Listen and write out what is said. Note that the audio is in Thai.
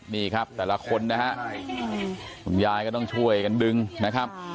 นี่ครับแต่ละคนนะฮะคุณยายก็ต้องช่วยกันดึงนะครับ